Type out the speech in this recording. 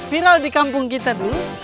viral di kampung kita dulu